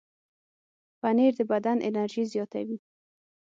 پنېر د بدن انرژي زیاتوي.